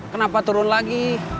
kenapa turun lagi